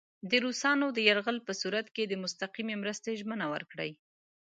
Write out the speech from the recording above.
د روسانو د یرغل په صورت کې د مستقیمې مرستې ژمنه ورکړي.